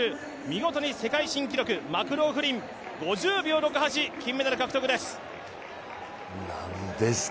見事に世界新記録、マクローフリン５０秒６８、金メダル獲得です。